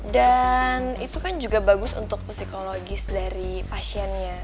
dan itu kan juga bagus untuk psikologis dari pasiennya